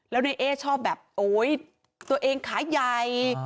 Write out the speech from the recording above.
แล้วในเอ๊ชอบแบบโอ๊ยตัวเองขาใหญ่